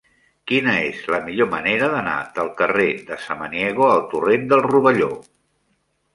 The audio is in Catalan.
Quina és la millor manera d'anar del carrer de Samaniego al torrent del Rovelló?